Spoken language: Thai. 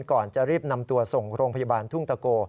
ก่อนจะรีบนำตัวส่งโรงพยาบาลทุ่งตะโก